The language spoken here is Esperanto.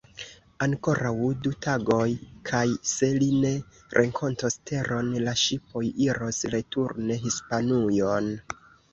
Ankoraŭ du tagoj kaj, se li ne renkontos teron, la ŝipoj iros returne Hispanujon.